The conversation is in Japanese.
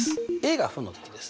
が負の時です。